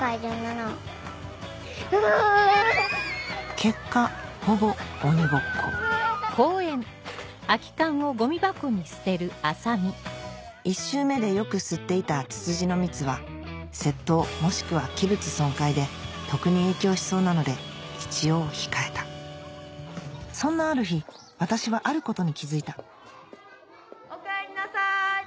結果ほぼ鬼ごっこ１周目でよく吸っていたツツジの蜜は窃盗もしくは器物損壊で徳に影響しそうなので一応控えたそんなある日私はあることに気付いたおかえりなさい！